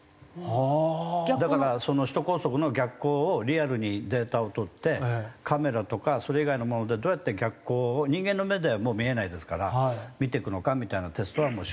だから首都高速の逆光をリアルにデータを取ってカメラとかそれ以外のものでどうやって逆光を人間の目ではもう見えないですから見ていくのかみたいなテストは。